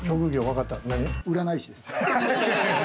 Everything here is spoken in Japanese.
占い師です。